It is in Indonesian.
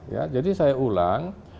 ya jadi saya ulang